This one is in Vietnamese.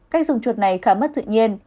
cách dùng chuột này khá mất thự nhiên